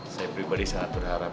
saya pribadi sangat berharap